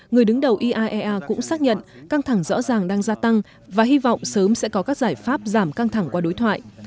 người đứng đầu iaea cũng xác nhận căng thẳng rõ ràng đang gia tăng và hy vọng sớm sẽ có các giải pháp giảm căng thẳng qua đối thoại